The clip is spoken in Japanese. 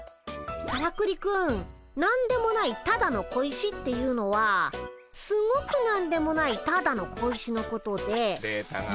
からくりくん何でもないただの小石っていうのはすごく何でもないただの小石のことで。